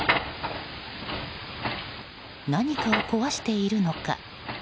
何かを壊しているのか。